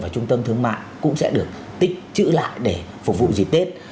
công thương mạng cũng sẽ được tích chữ lại để phục vụ dịp tết